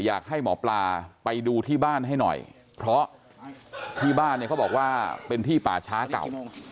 อยากให้หมอปลาไปดูที่บ้านให้หน่อยเพราะที่บ้านเนี่ยเขาบอกว่าเป็นที่ป่าช้าเก่า